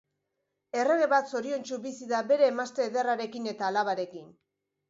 Errege bat zoriontsu bizi da bere emazte ederrarekin eta alabarekin.